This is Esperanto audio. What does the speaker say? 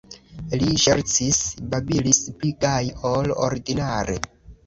Li ŝercis, babilis pli gaje ol ordinare.